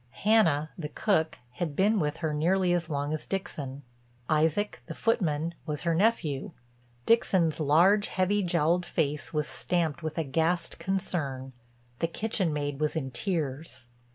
Hannah, the cook, had been with her nearly as long as Dixon; Isaac, the footman, was her nephew. Dixon's large, heavy jowled face was stamped with aghast concern; the kitchen maid was in tears.